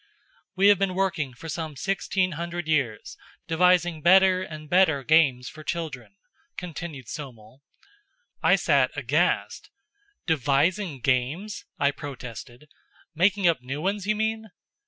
"We have been working for some sixteen hundred years, devising better and better games for children," continued Somel. I sat aghast. "Devising games?" I protested. "Making up new ones, you mean?"